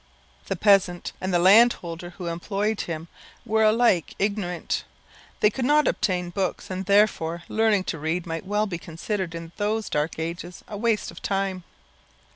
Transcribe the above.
The peasant, and the landholder who employed him, were alike ignorant; they could not obtain books, and therefore learning to read might well be considered in those dark ages a waste of time.